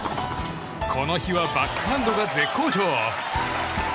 この日はバックハンドが絶好調。